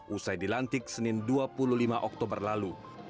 usai dilantik senin dua puluh lima oktober lalu